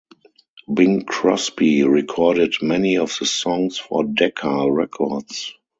Bing Crosby recorded many of the songs for Decca Records.